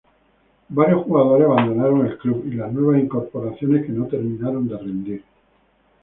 Varios jugadores abandonaron el club y las nuevas incorporaciones que no terminaron de rendir.